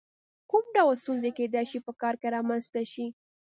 کوم ډول ستونزې کېدای شي په کار کې رامنځته شي؟